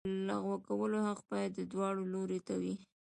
د لغوه کولو حق باید دواړو لورو ته وي.